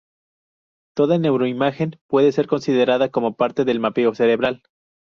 Toda neuroimagen puede ser considerada como parte del mapeo cerebral.